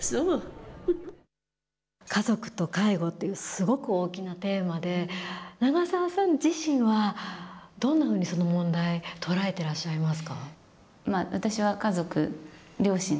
家族と介護という大きなテーマで長澤さん自身はどんなふうにその問題捉えていらっしゃいます。